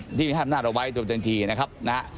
กฎหมายที่มีห้ามหน้าเราไว้ตรงทั้งทีนะครับ